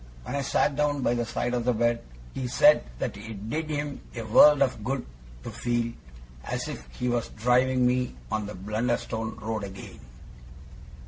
When I sat down by the side of the bed, he said that it did him a world of good to feel as if he was driving me on the Blunderstone road again.